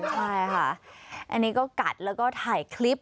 ใช่ค่ะอันนี้ก็กัดแล้วก็ถ่ายคลิป